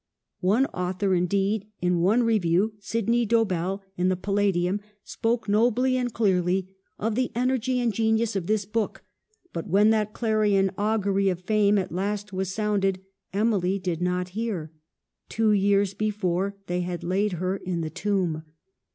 One author, indeed, in one review, Sydney Dobell, in the Palladium, spoke nobly and clearly of the energy and genius of this book ; but when that clarion augury of fame at last was sounded, Emily did not hear. Two years before they had laid her in the tomb.